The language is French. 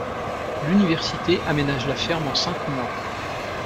L’Université aménage la ferme en cinq mois.